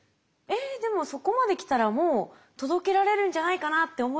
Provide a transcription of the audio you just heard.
えっでもそこまで来たらもう届けられるんじゃないかなって思っちゃうんですけど。